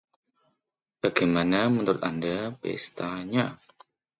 Bagaimana menurut Anda pestanya?